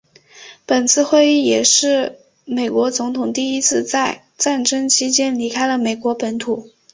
本次会议也是美国总统第一次在战争期间离开了美国本土。